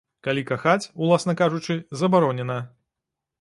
Калі кахаць, уласна кажучы, забаронена.